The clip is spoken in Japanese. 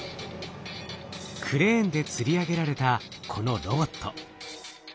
クレーンでつり上げられたこのロボット。